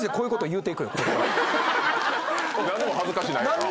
何にも恥ずかしないよな。